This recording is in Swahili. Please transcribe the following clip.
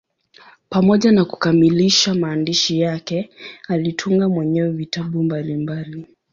Pamoja na kukamilisha maandishi yake, alitunga mwenyewe vitabu mbalimbali.